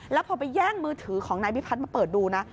แล้วพอไปแย่งมือถือของนายพิพัฒน์มาเปิดดูนะ